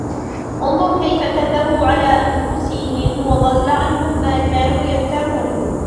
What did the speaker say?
انْظُرْ كَيْفَ كَذَبُوا عَلَى أَنْفُسِهِمْ وَضَلَّ عَنْهُمْ مَا كَانُوا يَفْتَرُونَ